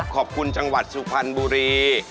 ขอบคุณจังหวัดสุพรรณบุรี